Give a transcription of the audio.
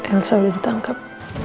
elsa udah ditangkap